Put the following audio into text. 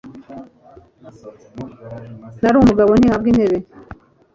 Nari umugabo nti habwa intebe